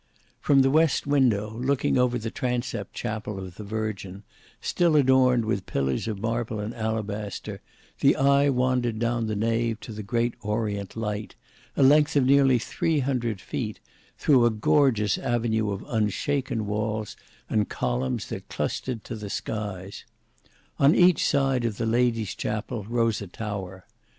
From the west window, looking over the transept chapel of the Virgin, still adorned with pillars of marble and alabaster, the eye wandered down the nave to the great orient light, a length of nearly three hundred feet, through a gorgeous avenue of unshaken walls and columns that clustered to the skies, On each side of the Lady's chapel rose a tower.